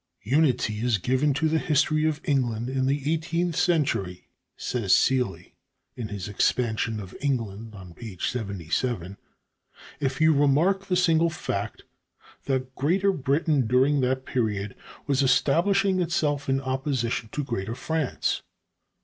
"Unity is given to the history of England in the eighteenth century," says Seeley ("Expansion of England," p. 77), "if you remark the single fact that Greater Britain during that period was establishing itself in opposition to Greater France....